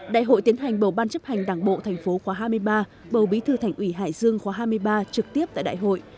đại hội tiến hành bầu ban chấp hành đảng bộ thành phố khóa hai mươi ba bầu bí thư thành ủy hải dương khóa hai mươi ba trực tiếp tại đại hội